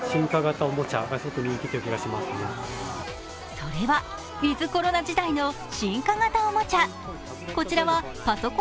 それはウィズ・コロナ時代の進化形おもちゃ。